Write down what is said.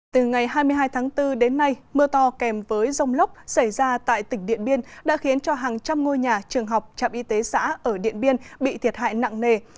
từ ngày hai mươi hai tháng bốn đến nay mưa to kèm với rông lốc xảy ra tại tỉnh điện biên đã khiến cho hàng trăm ngôi nhà trường học trạm y tế xã ở điện biên bị thiệt hại nặng nề